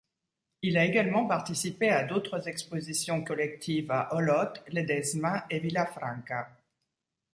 Il a également participé à d'autres expositions collectives à Olot, Ledesma et Vilafranca.